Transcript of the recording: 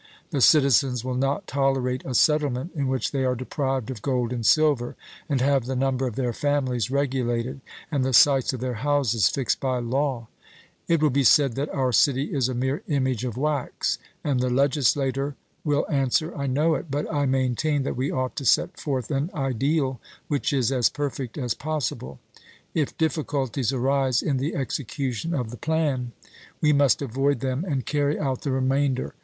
The citizens will not tolerate a settlement in which they are deprived of gold and silver, and have the number of their families regulated, and the sites of their houses fixed by law. It will be said that our city is a mere image of wax. And the legislator will answer: 'I know it, but I maintain that we ought to set forth an ideal which is as perfect as possible. If difficulties arise in the execution of the plan, we must avoid them and carry out the remainder.